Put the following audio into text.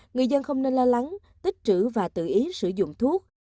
người dân không nên lo lắng tích trữ và tự ý sử dụng thuốc